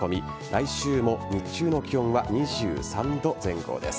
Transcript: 来週も日中の気温は２３度前後です。